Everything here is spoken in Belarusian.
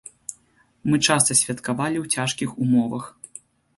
Мы часта святкавалі ў цяжкіх умовах.